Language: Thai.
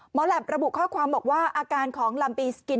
แหลประบุข้อความบอกว่าอาการของลำปีสกิน